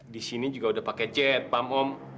disini juga udah pake jet pam om